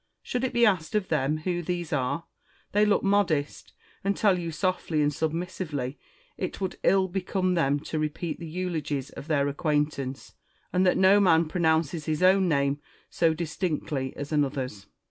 Should it be asked of them who these are, they look modest, and tell you softly and submissively it would ill become them to repeat the eulogies of their acquaintance, and that no man pronounces his own name so distinctly as another's.